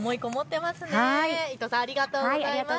ありがとうございます。